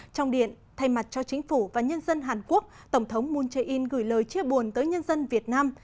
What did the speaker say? trong điện thay mặt cho chính phủ và nhân dân hàn quốc tổng thống moon jae in gửi lời chia buồn tới nhân dân việt nam